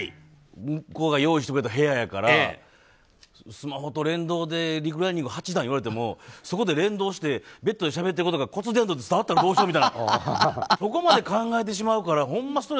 向こうが用意してくれた部屋やからスマホと連動でリクライニング８段っていわれてもそこで連動してベッドでしゃべっていることが骨伝導で伝わったらどうしようとかそこまで考えてしまうからほんま